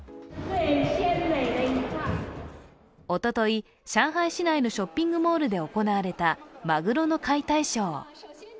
おととい、上海市内のショッピングモールで行われたまぐろの解体ショー。